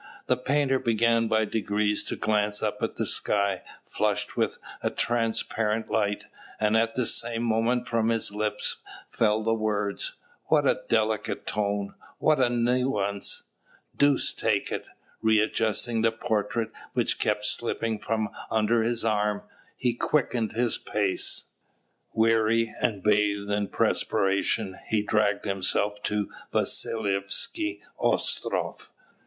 The painter began by degrees to glance up at the sky, flushed with a transparent light; and at the same moment from his mouth fell the words, "What a delicate tone! What a nuisance! Deuce take it!" Re adjusting the portrait, which kept slipping from under his arm, he quickened his pace. Weary and bathed in perspiration, he dragged himself to Vasilievsky Ostroff.